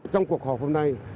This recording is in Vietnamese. trong cuộc họp hôm nay